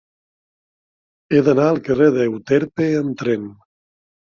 He d'anar al carrer d'Euterpe amb tren.